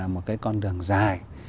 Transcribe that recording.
một cái con đường dài